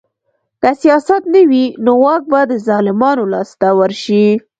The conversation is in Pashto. که سیاست نه وي نو واک به د ظالمانو لاس ته ورشي